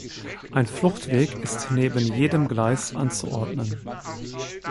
Ein Fluchtweg ist neben jedem Gleis anzuordnen.